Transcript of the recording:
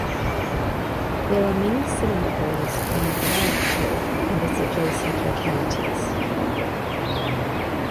There are many cinema halls in Barrackpore and its adjacent localities.